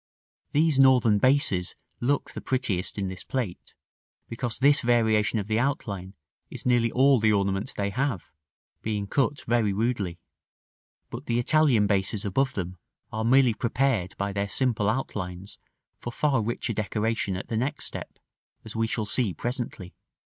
These Northern bases look the prettiest in this plate, because this variation of the outline is nearly all the ornament they have, being cut very rudely; but the Italian bases above them are merely prepared by their simple outlines for far richer decoration at the next step, as we shall see presently.